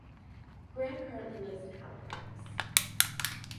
Graham currently lives in Halifax.